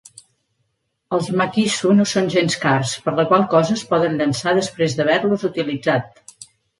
Els makisu no són gens cars, per la qual cosa es poden llençar després d'haver-los utilitzat.